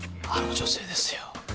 あの女性ですよ